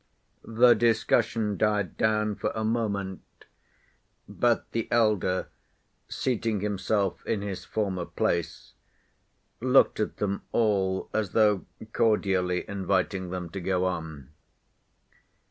The discussion died down for a moment, but the elder, seating himself in his former place, looked at them all as though cordially inviting them to go on.